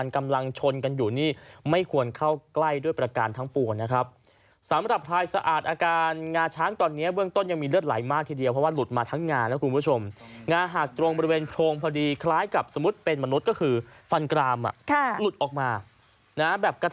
ก็เลยติดตามอาการของช้างเลือดก็แห้งกันแล้ว